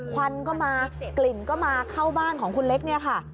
ควันก็มากลิ่นก็มาเข้าบ้านของคุณเล็กเนี่ยค่ะ